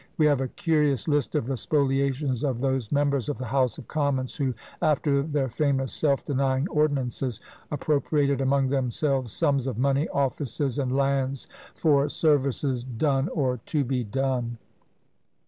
We have a curious list of the spoliations of those members of the House of Commons, who, after their famous self denying ordinances, appropriated among themselves sums of money, offices, and lands, for services "done or to be done."